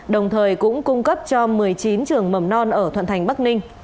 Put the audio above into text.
đồng thời cũng cung cấp cho một mươi chín trường mầm non ở thuận thành bắc ninh